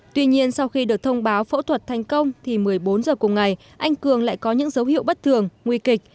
tuy nhiên sau khi được thông báo phẫu thuật thành công thì một mươi bốn giờ cùng ngày anh cường lại có những dấu hiệu bất thường nguy kịch